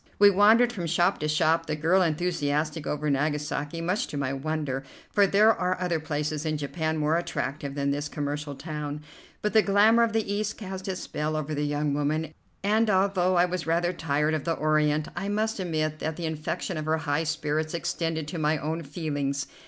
We wandered from shop to shop, the girl enthusiastic over Nagasaki, much to my wonder, for there are other places in Japan more attractive than this commercial town; but the glamor of the East cast its spell over the young woman, and, although I was rather tired of the Orient, I must admit that the infection of her high spirits extended to my own feelings.